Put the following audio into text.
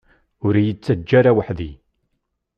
Ur iyi-ttaǧǧa ara weḥd-i!